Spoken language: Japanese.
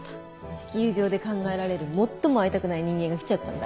地球上で考えられる最も会いたくない人間が来ちゃったんだ。